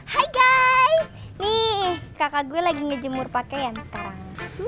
hai guys nih kakak gue lagi ngejemur pakaian sekarang